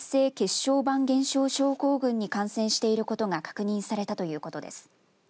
小板減少症候群に感染していることが確認されたということです。